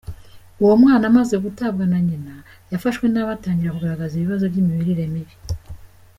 Uwo mwana amaze gutabwa na nyina, yafashwe nabi atangira kugaragaza ibibazo by’imirire mibi.